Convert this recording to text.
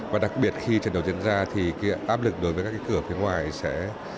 và đặc biệt khi trận đấu diễn ra thì áp lực đối với các cửa phía ngoài sẽ